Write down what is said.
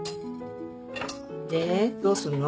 でどうすんの？